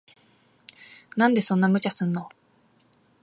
なんでそんな無茶すんの。